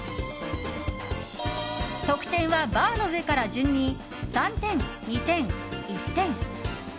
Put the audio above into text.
得点はバーの上から順に３点、２点、１点。